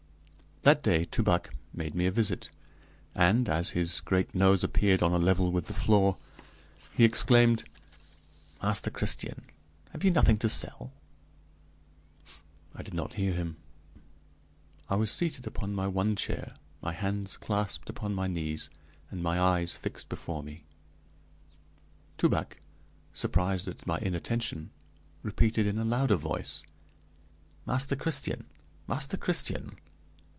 That day Toubac made me a visit, and, as his great nose appeared on a level with the floor, he exclaimed: "Master Christian, have you nothing to sell?" I did not hear him. I was seated upon my one chair, my hands clasped upon my knees, and my eyes fixed before me. Toubac, surprised at my inattention, repeated in a louder voice: "Master Christian, Master Christian!"